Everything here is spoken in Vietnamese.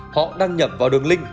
họ đăng nhập vào đường link